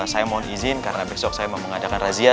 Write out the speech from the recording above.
saya mohon izin karena besok saya mau mengadakan razia